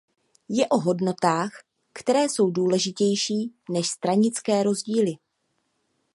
Je o hodnotách, které jsou důležitější než stranické rozdíly.